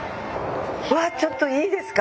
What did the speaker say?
うわちょっといいですか？